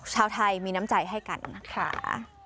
ชาวไทยมีน้ำใจให้กันนะคะ